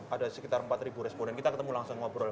ada sekitar empat ribu responden kita langsung ketemu ngobrol